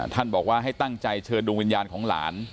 บอกว่าให้ตั้งใจเชิญดวงวิญญาณของหลาน